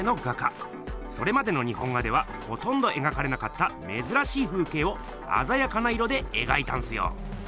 それまでの日本画ではほとんどえがかれなかった珍しい風けいをあざやかな色でえがいたんすよ。